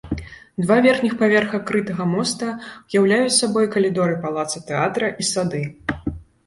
Два верхніх паверха крытага моста ўяўляюць сабой калідоры палаца тэатра і сады.